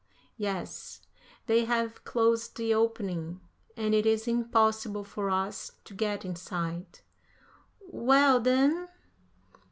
"Yes, they have closed the opening, and it is impossible for us to get inside." "Well, then?"